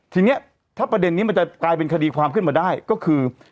ทีนี้ถ้าประเด็นนี้มันจะกลายเป็นคดีความขึ้นมาได้ก็คือ